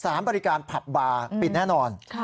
บริการผับบาร์ปิดแน่นอน